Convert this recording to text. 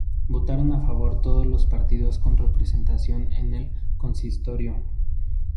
Votaron a favor todos los partidos con representación en el consistorio.